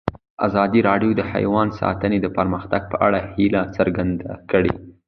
ازادي راډیو د حیوان ساتنه د پرمختګ په اړه هیله څرګنده کړې.